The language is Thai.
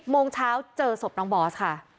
โมงเช้าเจอศพน้องบอสค่ะ